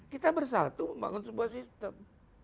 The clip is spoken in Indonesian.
kita bersatu membangun sebuah sistem